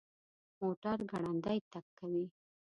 موټر ګړندی تګ کوي